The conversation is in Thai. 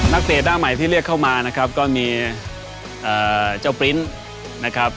เตะหน้าใหม่ที่เรียกเข้ามานะครับก็มีเจ้าปริ้นต์นะครับ